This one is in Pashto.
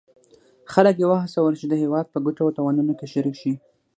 خلک یې وهڅول چې د هیواد په ګټو او تاوانونو کې شریک شي.